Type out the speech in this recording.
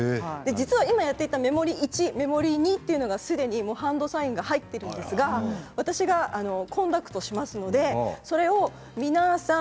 実は今やっていたメモリー１、メモリー２がハンドサインが入っているんですが私がコンダクターしますのでそれを皆さん